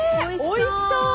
おいしそう！